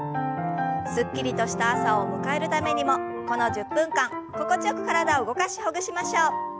すっきりとした朝を迎えるためにもこの１０分間心地よく体を動かしほぐしましょう。